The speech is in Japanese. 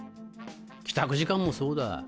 帰宅時間もそうだ。